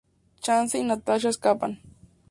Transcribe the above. Chance y Natasha escapan.